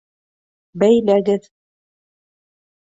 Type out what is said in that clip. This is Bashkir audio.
Бәйләгеҙ!